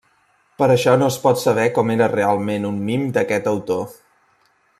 Per això no es pot saber com era realment un mim d'aquest autor.